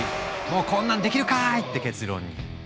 もうこんなんできるかい！って結論に。